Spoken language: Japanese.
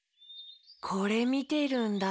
これみてるんだ。